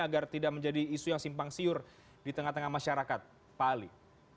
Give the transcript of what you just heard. agar tidak menjadi isu yang simpang siur di tengah tengah masyarakat pak ali